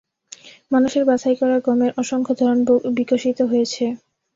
মানুষের বাছাই করা গমের অসংখ্য ধরন বিকশিত হয়েছে।